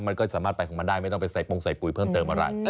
มันก็สามารถไปของมันได้ไม่ต้องไปใส่ปงใส่ปุ๋ยเพิ่มเติมอะไร